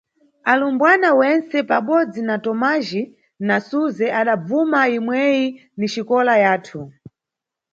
Alumbwana wentse, pabodzi na Tomajhi na Suze adabvuma imweyi ni xikola yathu.